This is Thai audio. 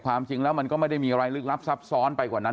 ความจริงแล้วมันก็ไม่ได้มีอะไรลึกลับซับซ้อนไปกว่านั้น